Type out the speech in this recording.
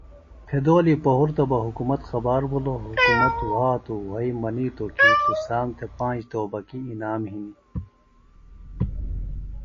پھِدولی پہُرتہ بہ حکُومت خبار بھِلوۡ حکُومت وھاتوۡ وھئیۡ منِیتوۡ کیۡ تُسام تھےۡ پانج توبکیۡ انعام ہنیۡ